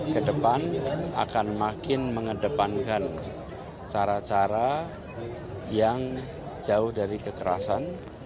kedepan akan makin mengedepankan cara cara yang jauh dari kekerasan